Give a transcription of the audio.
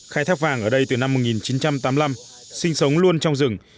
khai thác vàng ở đây từ năm một nghìn chín trăm tám mươi năm sinh sống luôn trong rừng